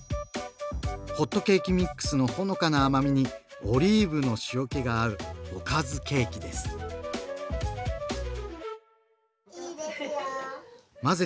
ホットケーキミックスのほのかな甘みにオリーブの塩けが合うおかずケーキです。